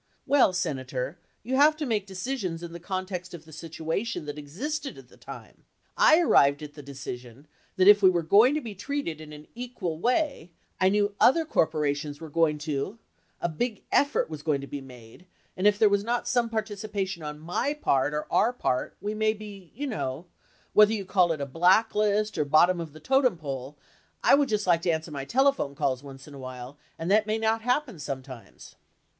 Well, Senator, you have to make decisions in the context of the situation that existed at the time. I arrived at the decision that if we were going to be treated in an equal way, I knew other corporations were going to — a big effort was going to be made, and if there was not some participa tion on my part or our part, we may be, you know — whether you call it a blacklist or bottom of the totem pole, I would just like to answer my telephone calls once in a while and that may not happen sometimes.